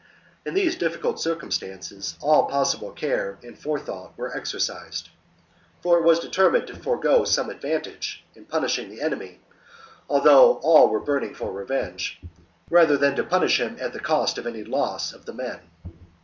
In these difficult circumstances all possible care and forethought were exercised ; for it was determined to forgo some advantage in punishing the enemy, although all were burning for revenge, rather than to punish him at the cost of any loss' to the men.